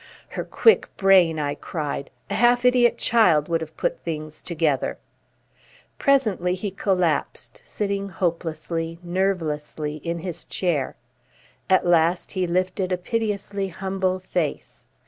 "Her quick brain!" I cried. "A half idiot child would have put things together." Presently he collapsed, sitting hopelessly, nervelessly in his chair. At last he lifted a piteously humble face.